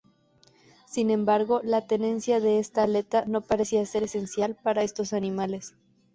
Sin embargo la tenencia de esta aleta no parecía ser esencial para estos animales.